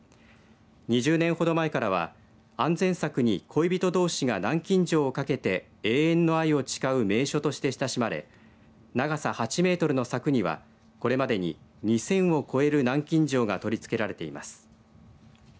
２０年ほど前からは安全柵に恋人どうしが南京錠をかけて永遠の愛を誓う名所として親しまれ長さ８メートルの柵にはこれまでに２０００を超える南京錠が取り付けられています。